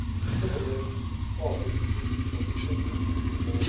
The criminals taunted the police officers and prison guards.